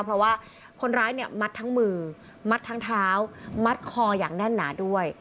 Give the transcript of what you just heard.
เพราะว่าคนร้ายเนี่ยมัดทั้งมือมัดทั้งเท้ามัดคออย่างแน่นหนาด้วย